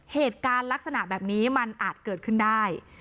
เหตุการณ์ลักษณะแบบนี้มันอาจเกิดขึ้นได้